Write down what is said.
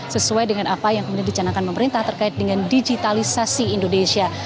sesuai dengan apa yang kemudian dicanakan pemerintah terkait dengan digitalisasi indonesia